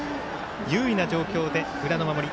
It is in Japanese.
優位な状況で裏の守り。